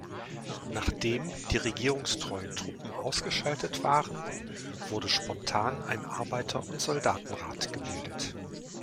Nachdem die regierungstreuen Truppen ausgeschaltet waren, wurde spontan ein Arbeiter- und Soldatenrat gebildet.